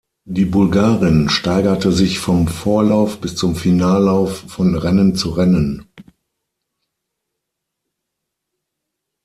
Die Bulgarin steigerte sich vom Vorlauf bis zum Finallauf von Rennen zu Rennen.